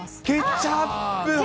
ケチャップ。